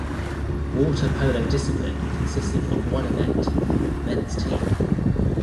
Water Polo discipline consisted of one event: men's team.